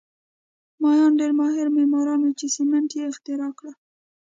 مایان ډېر ماهر معماران وو چې سیمنټ یې اختراع کړل